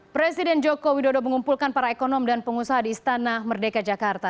presiden joko widodo mengumpulkan para ekonom dan pengusaha di istana merdeka jakarta